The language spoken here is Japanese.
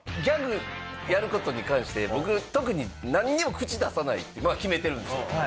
ギャグやることに関して僕特に何にも口出さないって決めてるんです。